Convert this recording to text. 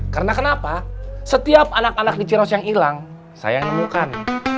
karena kenapa setiap anak anak di ciros yang hilang saya yang nemukan